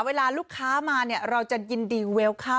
เวลาลูกค้ามาเนี่ยเราจะยินดีเวลค่า